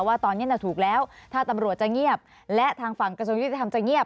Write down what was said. ว่าตอนนี้ถูกแล้วถ้าตำรวจจะเงียบและทางฝั่งกระทรวงยุติธรรมจะเงียบ